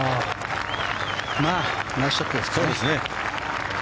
ナイスショットですね。